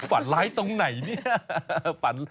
ฝันร้ายตรงไหนเนี่ย